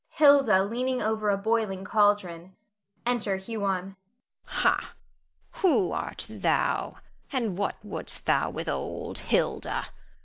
_ Hilda leaning over a boiling caldron. Enter Huon.] Hilda. Ha! who art thou, and what wouldst thou with old Hilda?